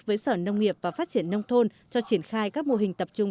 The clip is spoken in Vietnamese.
với sở nông nghiệp và phát triển nông thôn cho triển khai các mô hình tập trung